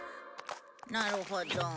なるほど。